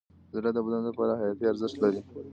زړه د بدن لپاره حیاتي ارزښت لري.